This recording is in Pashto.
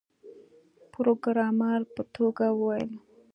پروګرامر په ټوکه وویل